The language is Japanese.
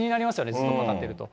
ずっとかかってると。